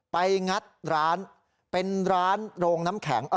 งัดร้านเป็นร้านโรงน้ำแข็ง